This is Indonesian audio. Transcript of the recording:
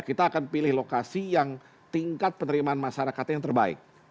kita akan pilih lokasi yang tingkat penerimaan masyarakatnya yang terbaik